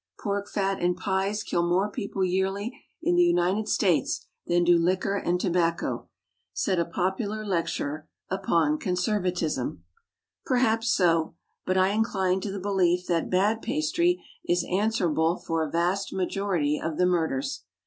"Pork fat and pies kill more people yearly in the United States than do liquor and tobacco," said a popular lecturer upon conservatism. Perhaps so; but I incline to the belief that bad pastry is answerable for a vast majority of the murders.